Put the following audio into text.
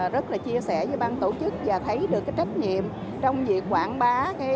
rất là chia sẻ với ban tổ chức và thấy được trách nhiệm trong việc quảng bá bánh mì việt nam